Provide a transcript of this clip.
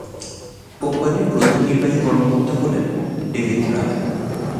কোম্পানির প্রধান নির্বাহী কর্মকর্তা হলেন ডেভিড ব্রাবেন।